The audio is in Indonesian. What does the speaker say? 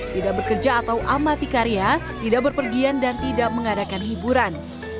tidak bekerja atau amati karya tidak berpergian dan tidak mengadakan hiburan